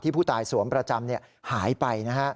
ผู้ตายสวมประจำหายไป